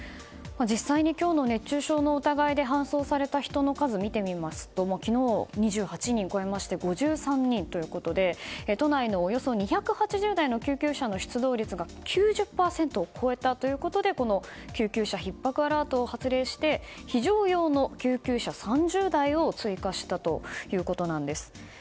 実際に今日の熱中症の疑いで搬送された人の数を見ると昨日の２８人を超えまして５３人ということで都内のおよそ２８０台の救急車の出動率が９０％を超えたということで救急車ひっ迫アラートを発令して非常用の救急車３０台を追加したということなんです。